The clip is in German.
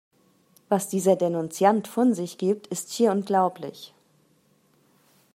Was dieser Denunziant von sich gibt, ist schier unglaublich!